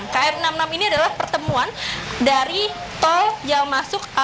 km enam puluh enam ini adalah pertemuan dari tol jalan masuk